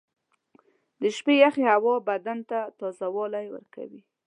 • د شپې یخې هوا بدن ته تازهوالی ورکوي.